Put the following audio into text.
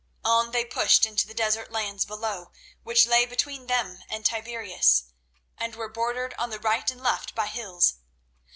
On they pushed into the desert lands below, which lay between them and Tiberias, and were bordered on the right and left by hills.